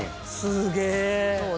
すげえ！